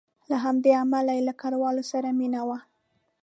له همدې امله یې له کراول سره مینه وه.